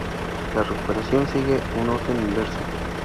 La recuperación sigue un orden inverso.